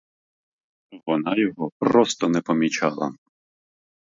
Вона його просто не помічала.